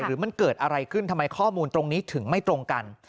หรือมันเกิดอะไรขึ้นทำไมข้อมูลตรงนี้ถึงไม่ตรงกัน